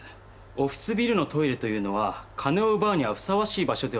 オフィスビルのトイレというのは金を奪うにはふさわしい場所ではないと思うんです。